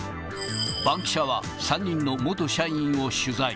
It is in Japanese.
バンキシャは、３人の元社員を取材。